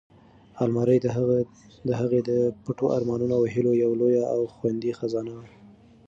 المارۍ د هغې د پټو ارمانونو او هیلو یوه لویه او خوندي خزانه وه.